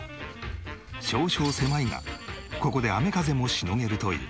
少々狭いがここで雨風もしのげるという。